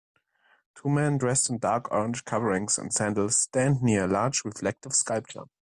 Two men dressed in dark orange coverings and sandals stand near a large reflective sculpture.